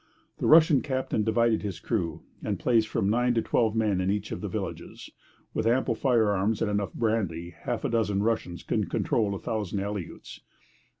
The Russian captain divided his crew, and placed from nine to twelve men in each of the villages. With ample firearms and enough brandy half a dozen Russians could control a thousand Aleuts.